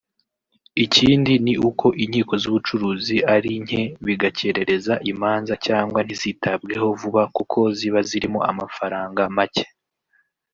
Ikindi ni uko inkiko z’ubucuruzi ari nke bigakerereza imanza cyangwa ntizitabweho vuba kuko ziba zirimo amafaranga make